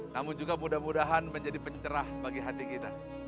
namun juga mudah mudahan menjadi pencerah bagi hati kita